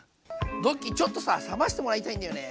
ドッキーちょっとさ冷ましてもらいたいんだよね。